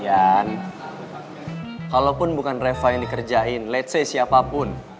yan kalaupun bukan reva yang dikerjain let's say siapapun